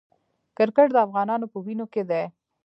کرکټ د افغانانو په وینو کې دی.